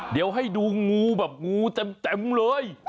เดี๋ยวให้ดูงูแบบงูเต็มเลย